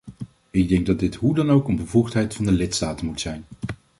Ik denk dat dit hoe dan ook een bevoegdheid van de lidstaten moet zijn.